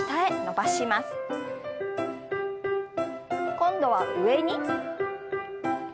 今度は上に。